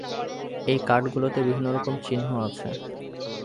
এই কার্ডগুলোতে বিভিন্ন রকম চিহ্ন আছে।